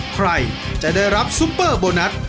ใครจะได้รับซุปเปอร์โบนัส